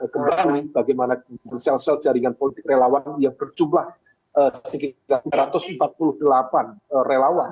kembali bagaimana sel sel jaringan politik relawan yang berjumlah sembilan ratus empat puluh delapan relawan